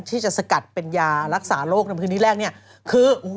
ที่จะสกัดเป็นยารักษาโรคในพื้นที่แรกเนี่ยคือ